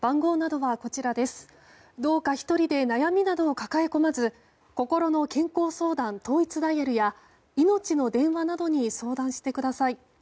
どうか１人で悩みなどを抱え込まずこころの健康相談統一ダイヤルやいのちの電話などに相談してください。